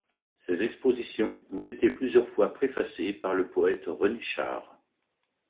Ses expositions ont été plusieurs fois préfacées par le poète René Char.